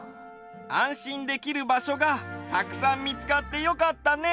あんしんできるばしょがたくさんみつかってよかったね。